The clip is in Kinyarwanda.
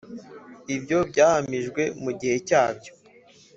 Ibyo byahamijwe mu gihe cyabyo,